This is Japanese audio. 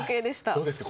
どうですか